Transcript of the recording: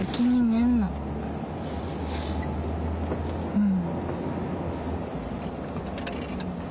うん。